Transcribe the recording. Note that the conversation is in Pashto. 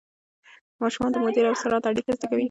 ماشومان د مودې او سرعت اړیکه زده کوي.